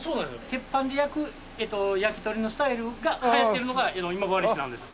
鉄板で焼く焼き鳥のスタイルが流行ってるのが今治市なんです。